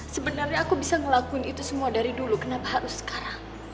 sebenarnya aku bisa ngelakuin itu semua dari dulu kenapa harus sekarang